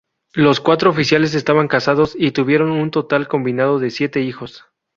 Los cuatro oficiales estaban casados y tuvieron un total combinado de siete hijos.